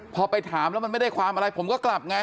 พอไปถามแล้วมันไม่ได้ความอะไรผมก็กลับไง